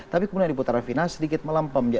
tapi kemudian di fase finalis sedikit melempam